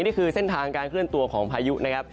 นี่คือเส้นทางการเคลื่อนตัวของพายุนะครับ